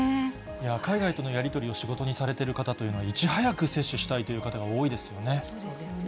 海外とのやり取りを仕事にされてる方というのは、いち早く接種したいという方が多いですよね。